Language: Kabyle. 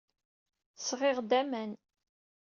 Sɣiɣ-d aman.